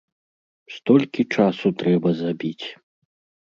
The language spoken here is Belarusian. Столькі часу трэба забіць!